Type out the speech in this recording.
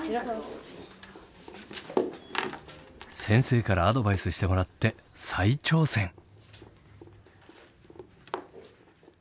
先生からアドバイスしてもらって再挑戦！